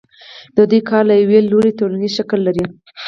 د دوی کار له یوه لوري ټولنیز شکل لري